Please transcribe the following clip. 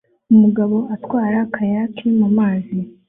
Umugabo atwara kayaki mu mazi